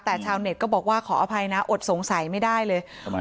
แต่ชาวเน็ตก็บอกว่าขออภัยนะอดสงสัยไม่ได้เลย